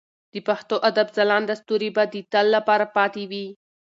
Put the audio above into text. د پښتو ادب ځلانده ستوري به د تل لپاره پاتې وي.